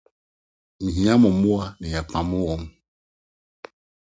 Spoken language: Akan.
Mihia mo mmoa na yɛapam wɔn.